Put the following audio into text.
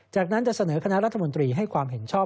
จากนั้นจะเสนอคณะรัฐมนตรีให้ความเห็นชอบ